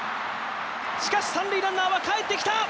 しかし三塁ランナーは帰ってきた。